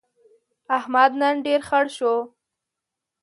احمد نن ډېر خړ شو.